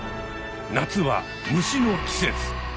夏は虫の季節。